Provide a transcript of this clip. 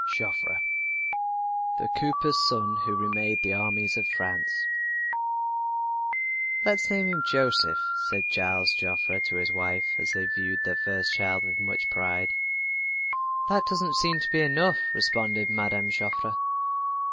JOFFRE THE COOPER'S SON WHO REMADE THE ARMIES OF FRANCE "Let's name him Joseph," said Gilles Joffre to his wife, as they viewed their first child with much pride. "That doesn't seem to be enough," responded Mme. Joffre.